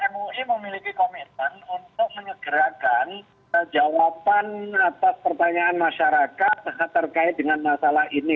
mui memiliki komitmen untuk menyegerakan jawaban atas pertanyaan masyarakat terkait dengan masalah ini